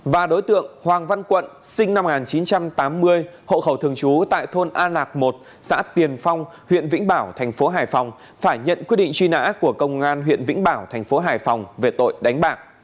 và đối tượng hoàng văn quận sinh năm một nghìn chín trăm tám mươi hộ khẩu thương chú tại thôn an lạc một xã tiền phong huyện vĩnh bảo tp hải phòng phải nhận quyết định truy nã của công an huyện vĩnh bảo tp hải phòng về tội đánh bạc